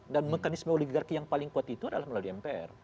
dan mekanisme oligarki yang paling kuat itu adalah melalui mpr